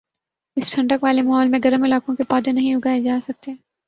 اس ٹھنڈک والے ماحول میں گرم علاقوں کے پودے نہیں اگائے جاسکتے